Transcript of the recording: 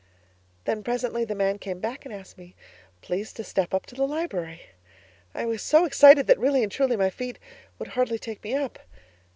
Then presently the man came back and asked me please to step up to the library. I was so excited that really and truly my feet would hardly take me up.